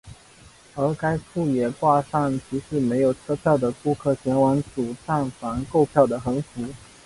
而该处也挂上提示没有车票的乘客前往主站房购票的横额。